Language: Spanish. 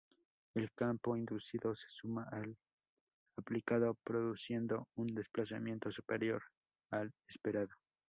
El campo inducido se suma al aplicado, produciendo un desplazamiento superior al esperado.